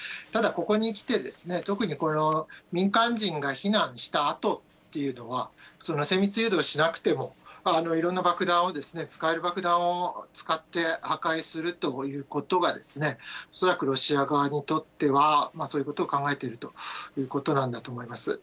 ただ、ここにきて、特にこの民間人が避難したあとというのは、精密誘導しなくても、いろんな爆弾を、使える爆弾を使って破壊するということが、恐らくロシア側にとってはそういうことを考えているということなんだと思います。